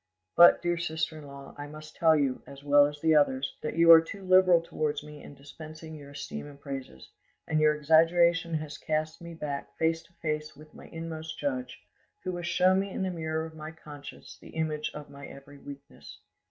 But, dear sister in law, I must tell you, as well as the others, that you are too liberal towards me in dispensing your esteem and praises, and your exaggeration has cast me back face to face with my inmost judge, who has shown me in the mirror of my conscience the image of my every weakness.